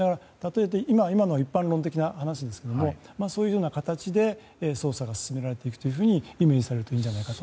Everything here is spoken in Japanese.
今のは一般論的な話ですがそういう形で捜査が進められていくとイメージされるといいと思います。